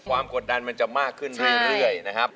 กดดันมันจะมากขึ้นเรื่อยนะครับ